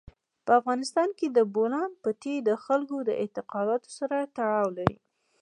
په افغانستان کې د بولان پټي د خلکو د اعتقاداتو سره تړاو لري.